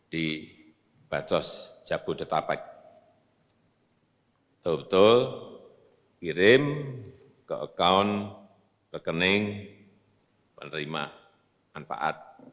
di bansos jabodetabek tol tol kirim ke akaun rekening penerima manfaat